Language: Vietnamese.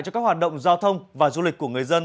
cho các hoạt động giao thông và du lịch của người dân